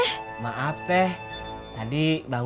nggak kita dateng